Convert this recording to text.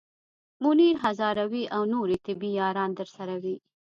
منیر هزاروی او نورې طبې یاران درسره وي.